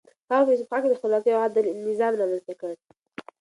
هغه په اصفهان کې د خپلواکۍ او عدل نظام رامنځته کړ.